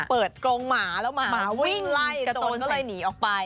กรงหมาแล้วหมาวิ่งไล่โจรก็เลยหนีออกไป